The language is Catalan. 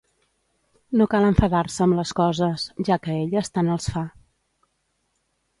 No cal enfadar-se amb les coses, ja que a elles tant els fa